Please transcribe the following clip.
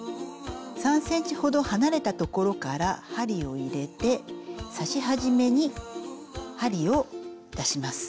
３ｃｍほど離れた所から針を入れて刺し始めに針を出します。